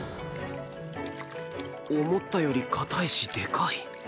思ったより硬いしでかい